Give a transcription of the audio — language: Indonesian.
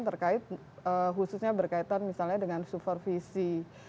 terkait khususnya berkaitan misalnya dengan supervisi